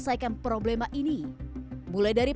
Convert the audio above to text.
jangan lupa girikan burn